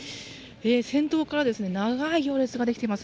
先頭から長い行列ができています。